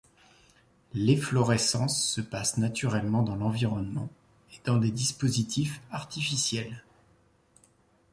L'efflorescence se passe naturellement dans l'environnement, et dans des dispositifs artificiels.